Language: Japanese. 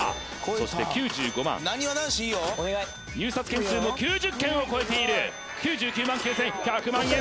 そして９５万入札件数も９０件を超えている９９万９０００１００万円